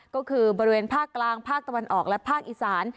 ก็คือบริเวณภาคกลางภาคตะวันออกและภาคอีสาน